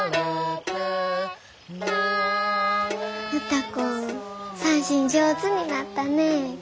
歌子三線上手になったね。